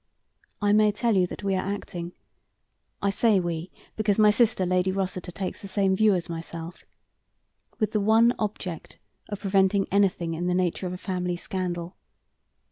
I may tell you that we are acting I say 'we,' because my sister, Lady Rossiter, takes the same view as myself with the one object of preventing anything in the nature of a family scandal.